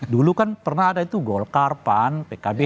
dulu kan pernah ada itu golkar pan pkb